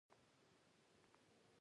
غوماشې د انسان خوږ بوی جذبوي.